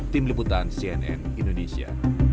tim liputan cnn indonesia